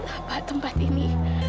apa tempat ini